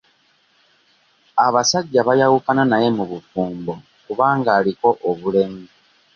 Abasajja bayawukana naye mu bufumbo kubanga aliko obulemu.